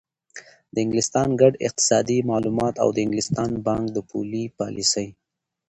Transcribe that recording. د انګلستان ګډ اقتصادي معلومات او د انګلستان بانک د پولي پالیسۍ